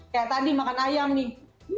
kayak tadi makan ayam nih